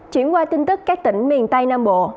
chuyển qua tin tức các tỉnh miền tây nam bộ